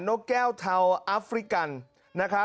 นกแก้วเทาอาฟริกัน